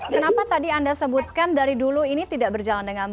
kenapa tadi anda sebutkan dari dulu ini tidak berjalan